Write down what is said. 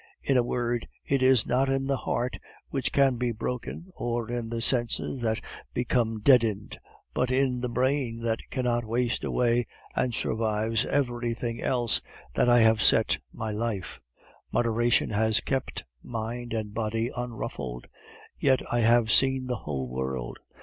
In a word, it is not in the heart which can be broken, or in the senses that become deadened, but it is in the brain that cannot waste away and survives everything else, that I have set my life. Moderation has kept mind and body unruffled. Yet, I have seen the whole world.